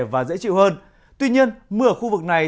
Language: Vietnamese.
và dễ chịu hơn tuy nhiên mưa ở khu vực này